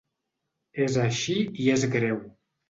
És així i és greu.